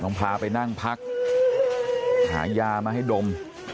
พาไปนั่งพักหายามาให้ดม